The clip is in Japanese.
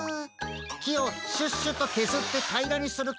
きをシュッシュとけずってたいらにするカンナ！